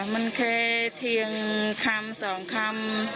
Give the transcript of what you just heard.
มันแค่เพียงคำสองคำ